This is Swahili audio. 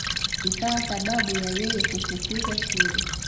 Ikawa sababu ya yeye kufukuzwa shule